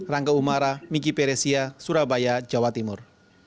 rangga umara miki peresia surabaya jawa timur